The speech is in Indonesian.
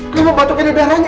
kamu bantu pilih darahnya